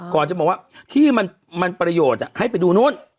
ก่อนจะบอกว่าที่มันประโยชน์ให้ไปดูนู้น